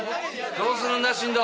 どうするんだ進藤？